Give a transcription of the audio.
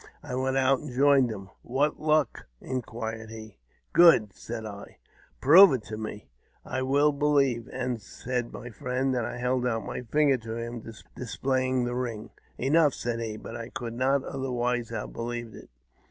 I went out and joined him. " What luck? " inquired he. " Good," said I. " Prove it to me, I will believe," said my friend. I held out my finger to him, displaying the ring. " Enough," said he ;" but I could not otherwise have= believed it."